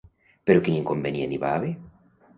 Però quin inconvenient hi va haver?